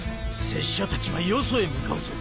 拙者たちはよそへ向かうぞ。